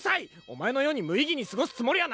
お前のように無意義に過ごすつもりはないんだ。